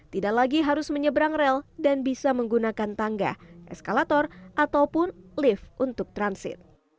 tidak lagi harus menyeberang rel dan bisa menggunakan tangga eskalator ataupun lift untuk transit